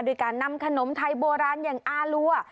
โดยการนำขนมไทยโบราณอย่างอารัว